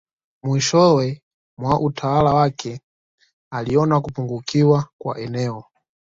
Mwishowe mwa utawala wake aliona kupungukiwa kwa eneo